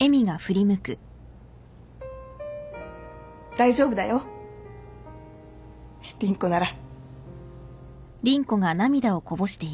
大丈夫だよ凛子なら。